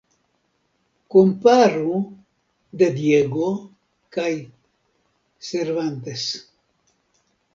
Komparu "De Diego" kaj "Cervantes".